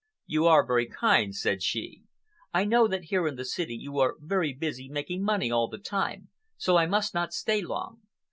"You are very kind," said she. "I know that here in the city you are very busy making money all the time, so I must not stay long.